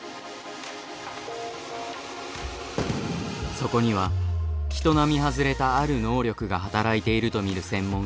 そこには人並み外れた「ある能力」が働いていると見る専門家がいる。